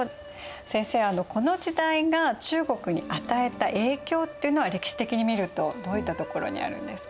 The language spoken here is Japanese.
先生この時代が中国に与えた影響っていうのは歴史的に見るとどういったところにあるんですか？